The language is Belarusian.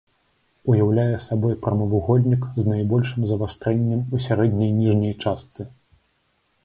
Уяўляе сабой прамавугольнік з найбольшым завастрэннем у сярэдняй ніжняй частцы.